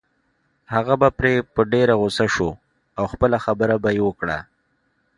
هغه به پرې په ډېره غصه شو او خپله خبره به يې وکړه.